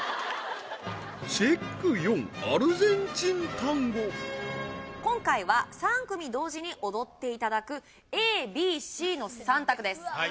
チェック４今回は３組同時に踊っていただくＡＢＣの３択です